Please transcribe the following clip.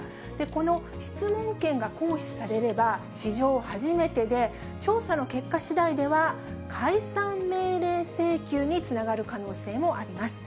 この質問権が行使されれば、史上初めてで、調査の結果しだいでは、解散命令請求につながる可能性もあります。